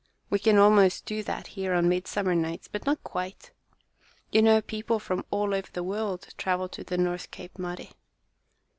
We can almost do that here on midsummer nights, but not quite. You know people from all over the world travel to the North Cape, Mari."